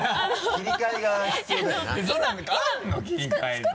切り替えが必要だよな。